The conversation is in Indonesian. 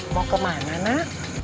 mau kemana nak